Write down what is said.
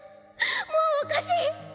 もうおかしい。